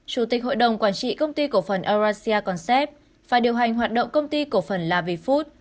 chủ tịch hội đồng quản trị công ty cổ phần erosia concept và điều hành hoạt động công ty cổ phần lavifood